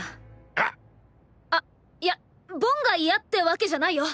あいやボンが嫌ってわけじゃないよ。